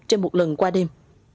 trên một lần qua đêm